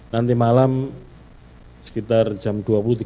nanti malam sekitar jam dua puluh tiga